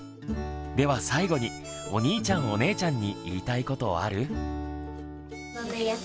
では最後にお兄ちゃんお姉ちゃんに言いたいことある？